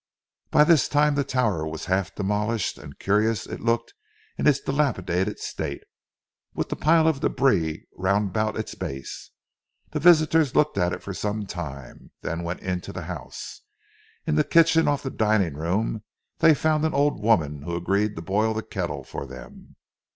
By this time the tower was half demolished, and curious it looked in its dilapidated state, with the pile of débris round about its base. The visitors looked at it for some time, then went into the house. In the kitchen off the dining room they found an old woman who agreed to boil the kettle for them.